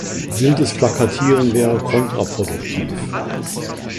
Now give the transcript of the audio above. Wildes Plakatieren wäre kontraproduktiv.